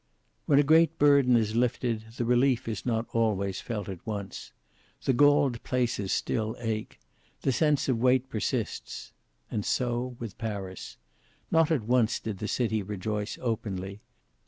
When a great burden is lifted, the relief is not always felt at once. The galled places still ache. The sense of weight persists. And so with Paris. Not at once did the city rejoice openly.